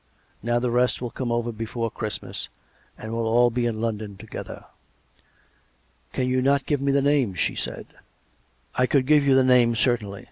Now the rest will be over before Christmas, and will all be in London together." " Can you not give me the names ?" she said. " I could give you the names, certainly.